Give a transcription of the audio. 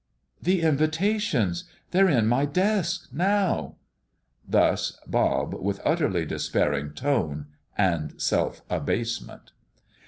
"The invitations they're in my desk now!" Thus Bob, with utterly despairing tone and self abasement.